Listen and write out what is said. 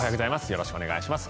よろしくお願いします。